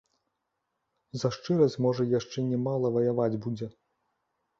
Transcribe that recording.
За шчырасць можа яшчэ не мала ваяваць будзе.